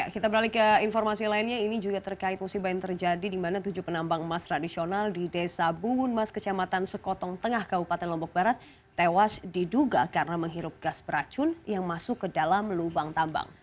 kita beralih ke informasi lainnya ini juga terkait musibah yang terjadi di mana tujuh penambang emas tradisional di desa buunmas kecamatan sekotong tengah kabupaten lombok barat tewas diduga karena menghirup gas beracun yang masuk ke dalam lubang tambang